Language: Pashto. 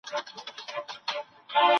تاسو د کوم ځای ياست؟